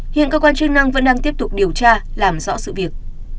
hiện cơ quan chức năng vẫn đang tiếp tục điều tra làm rõ sự việc